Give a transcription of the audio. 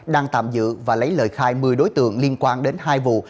đang tạm giữ và lấy lời khai một mươi đối tượng liên quan đến hai vụ